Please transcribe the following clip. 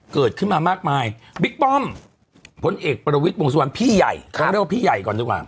เกิดขึ้นมามากมายบิ๊กป้อมพลเอกปรวิศวงสวรรณพี่ใหญ่